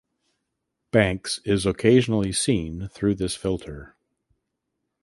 Banks is occasionally seen through this filter.